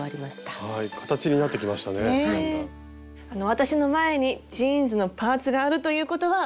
私の前にジーンズのパーツがあるということは。